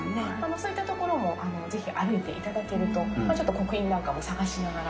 そういったところも是非歩いて頂けるとまあちょっと刻印なんかも探しながら。